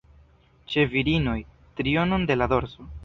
Ĉe virinoj, trionon de la dorso.